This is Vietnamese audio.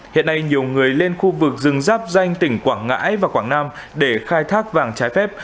hiện nay nhiều người lên khu vực rừng ráp danh tỉnh quảng ngãi và quảng nam để khai thác vàng trái phép